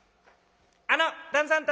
「あの旦さん